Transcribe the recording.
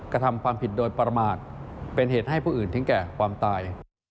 กระทำความผิดโดยประมาทเป็นเหตุให้ผู้อื่นถึงแก่ความตาย